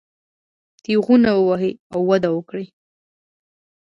تېغونه ووهي او وده وکړي.